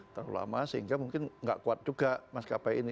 terlalu lama sehingga mungkin nggak kuat juga maskapai ini